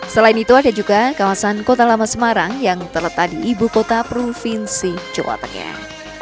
selain itu ada juga kawasan kota lama semarang yang terletak di ibu kota provinsi jawa tengah